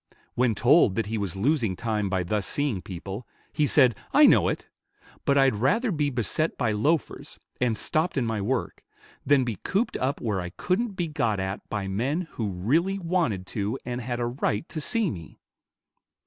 When told that he was losing time by thus seeing people, he said, "I know it; but I'd rather be beset by loafers, and stopped in my work, than be cooped up where I couldn't be got at by men who really wanted to and had a right to see me."